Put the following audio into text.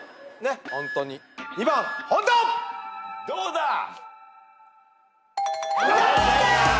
どうだ！？